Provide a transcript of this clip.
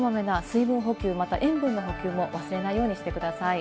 こまめな水分補給、また塩分の補給も忘れないようにしてください。